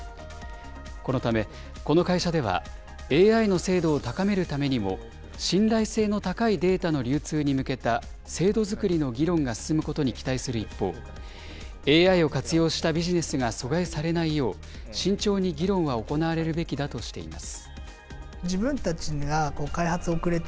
このため、この会社では、ＡＩの精度を高めるためにも信頼性の高いデータの流通に向けた制度づくりの議論が進むことに期待する一方、ＡＩを活用したビジネスが阻害されないよう、慎重に議論は行われるべきだとしています。